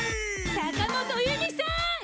坂本冬美さん！